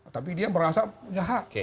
tapi dia merasa punya hak